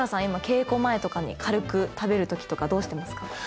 今稽古前とかに軽く食べるときとかどうしてますか？